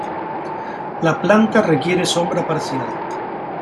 La planta requiere sombra parcial.